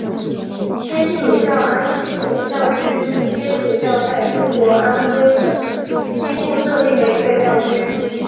天主教安庆总教区是天主教在中国安徽省西部设立的一个教区。